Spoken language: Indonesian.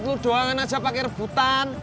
lo doang aja pake rebutan